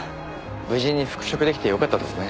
無事に復職出来てよかったですね。